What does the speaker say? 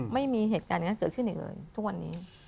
ไม่มีเหตุการณ์อย่างนั้นเกิดขึ้นอีกเลยทุกวันนี้